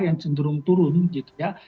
yang cenderung turun gitu ya